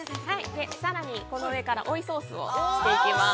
◆さらに、この上から追いソースをしていきます。